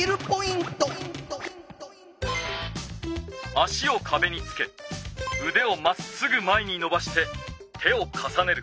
足をかべにつけうでをまっすぐ前にのばして手を重ねる。